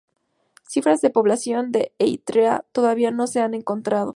Cifras de población de Eritrea todavía no se han encontrado.